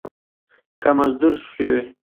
که مزدور شوې